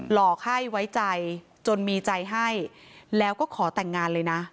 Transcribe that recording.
หลอกให้ไว้ใจจนมีใจให้แล้วก็ขอแต่งงานเลยนะ